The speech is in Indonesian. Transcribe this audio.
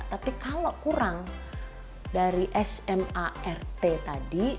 tapi kalau kurang dari s m a r t tadi